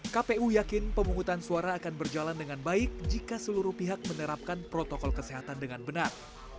kpu yakin pemungutan suara akan berjalan dengan baik jika seluruh pihak menerapkan protokol kesehatan dengan benar